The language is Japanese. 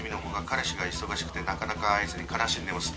「彼氏が忙しくてなかなか会えずに悲しんでます」